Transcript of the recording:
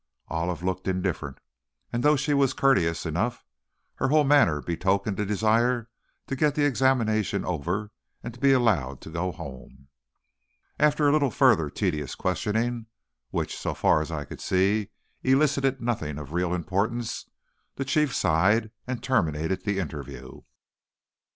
Olive looked indifferent, and though she was courteous enough, her whole manner betokened a desire to get the examination over and to be allowed to go home. After a little further tedious questioning, which, so far as I could see, elicited nothing of real importance, the Chief sighed and terminated the interview.